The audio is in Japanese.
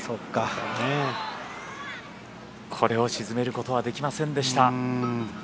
これを沈めることはできませんでした。